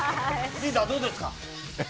リーダーどうですか。